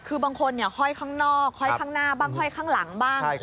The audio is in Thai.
คือบางคนห้อยข้างนอกห้อยข้างหน้าบ้างห้อยข้างหลังบ้าง